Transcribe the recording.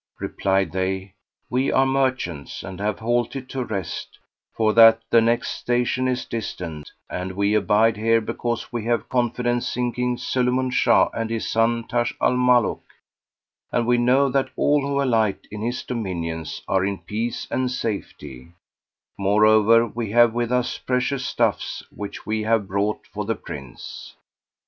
Replied they, "We are merchants and have halted to rest, for that the next station is distant and we abide here because we have confidence in King Sulayman Shah and his son, Taj al Muluk, and we know that all who alight in his dominions are in peace and safety; more over we have with us precious stuffs which we have brought for the Prince."